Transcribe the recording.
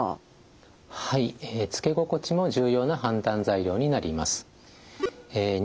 つけ心地も重要な判断材料になります。